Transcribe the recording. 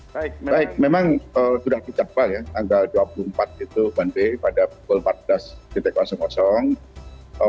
baik baik memang sudah dicapbal ya tanggal dua puluh empat itu one way pada pukul empat belas